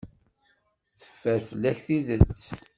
Teffer fell-ak tidet.